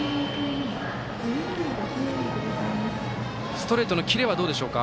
ストレートのキレはどうでしょうか？